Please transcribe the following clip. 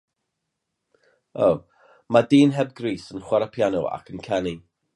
Mae dyn heb grys yn chwarae piano ac yn canu.